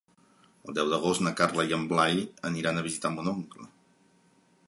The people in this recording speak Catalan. El deu d'agost na Carla i en Blai aniran a visitar mon oncle.